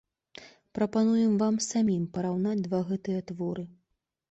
Прапануем вам самім параўнаць два гэтыя творы.